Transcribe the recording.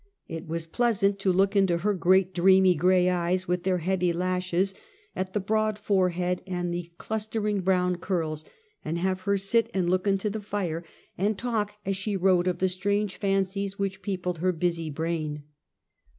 It was pleasant to look into her great, dreamy grey eyes, with their heavy lashes, at the broad forehead and the clustering brown curls, and have her sit and look into the fire and talk 9 130 Half a Centuey. as she wrote of the strange fancies which peopled her busy brain.